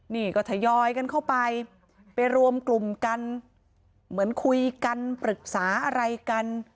นี่ก็ทยอยกันเข้าไปไปรวมกลุ่มกันเหมือนคุยกันปรึกษาอะไรกัน